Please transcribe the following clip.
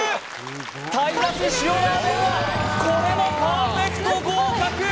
鯛だし塩ラーメンはこれもパーフェクト合格